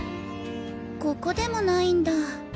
ここでもないんだ。